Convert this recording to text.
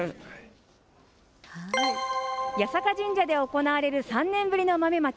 八坂神社で行われる３年ぶりの豆まき。